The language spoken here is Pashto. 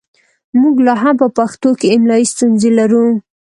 موږ لا هم په پښتو کې املايي ستونزې لرو